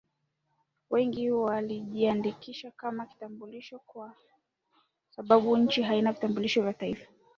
wengi walijiandikisha kama vitambulisho kwa sababu nchi haina vitambulisho vya taifa